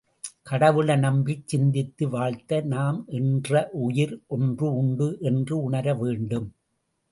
கடவுளை நம்பிச் சிந்தித்து வாழ்த்த, நாம் என்ற உயிர் ஒன்று உண்டு என்று உணர வேண்டும்.